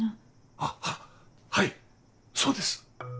あっはいそうです！